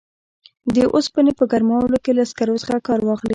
د اوسپنې په ګرمولو کې له سکرو څخه کار واخلي.